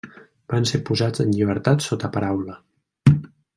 Van ser posats en llibertat sota paraula.